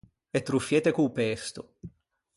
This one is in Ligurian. E troffiette co-o pesto.